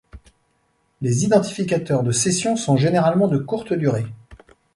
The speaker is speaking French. Les identificateurs de session sont généralement de courte durée.